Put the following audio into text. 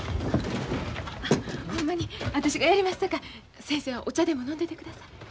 ほんまに私がやりますさかい先生はお茶でも飲んでてください。